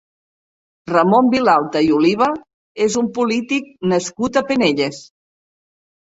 Ramon Vilalta i Oliva és un polític nascut a Penelles.